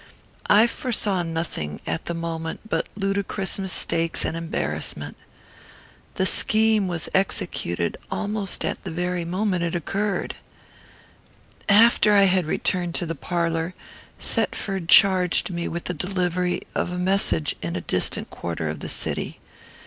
I foresaw nothings at the moment, but ludicrous mistakes and embarrassment. The scheme was executed almost at the very moment it occurred. "After I had returned to the parlour, Thetford charged me with the delivery of a message in a distant quarter of the city.